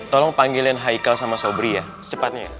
tolong panggilin haikal sama sobri ya secepatnya